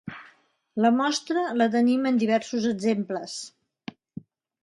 La mostra la tenim en diversos exemples.